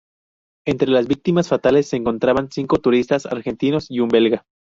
Entre las víctimas fatales se encontraban cinco turistas argentinos y una belga.